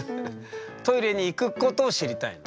トイレに行くことを知りたいの？